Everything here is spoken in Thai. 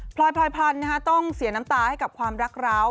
พลอยพันธุ์ต้องเสียน้ำตาให้กับความรักร้าว